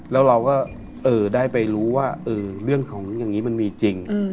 แล้วเราก็ได้ไปรู้ว่าเรื่องของอย่างนี้มันมีจริง